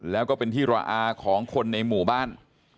แล้วก็เป็นที่ระอาของคนในหมู่บ้าน